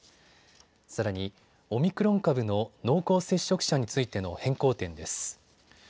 さらに、オミクロン株の濃厚接触者についての変更点です。